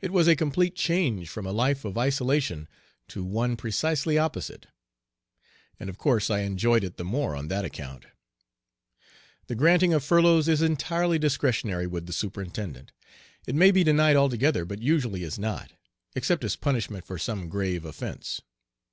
It was a complete change from a life of isolation to one precisely opposite. And of course I enjoyed it the more on that account. The granting of furloughs is entirely discretionary with the Superintendent. It may be denied altogether, but usually is not, except as punishment for some grave offence.